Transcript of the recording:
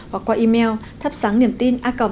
hoặc qua email thapsangniemtina org vn